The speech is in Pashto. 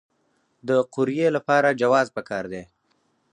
د قوریې لپاره جواز پکار دی؟